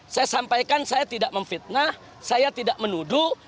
saya sampaikan saya tidak memfitnah saya tidak menuduh